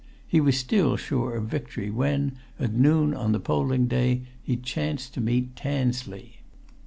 He was still sure of victory when, at noon on the polling day, he chanced to meet Tansley.